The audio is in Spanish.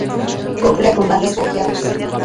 Cúpula con bandas cajeadas.